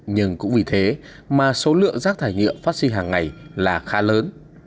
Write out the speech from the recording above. nhưng cũng vì thế mà số lượng rác thải nhựa phát sinh hàng ngày là khá lớn